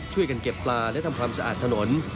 ช่วยกันเก็บปลาและทำความสะอาดถนน